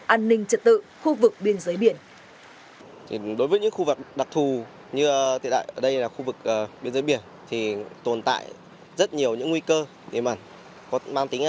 an ninh trật tự khu vực biên giới biển